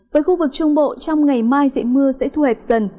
với khu vực trung bộ trong ngày mai dị mưa sẽ thu hẹp dần